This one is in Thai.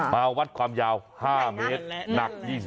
มาวัดความยาว๕เมตรหนัก๒๕กิโลกรัม